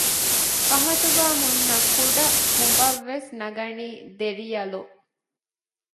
ފަހަތުގައި ހުންނަ ކުޑަ ކުނބަށް ވެސް ނަގަނީ ދެރިޔަލު